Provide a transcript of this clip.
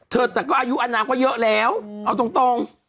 แต่ก็อายุอนามก็เยอะแล้วเอาตรง